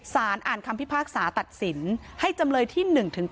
สารอ่านคำพิพากษาตัดสินให้จำเลยที่๑๘